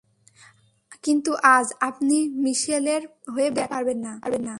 কিন্তু আজ, আপনি মিশেলের হয়ে ব্যাখ্যা দিতে পারবেন না।